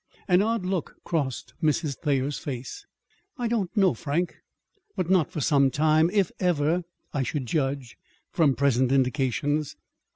An odd look crossed Mrs. Thayer's face. "I don't know, Frank; but not for some time if ever I should judge, from present indications."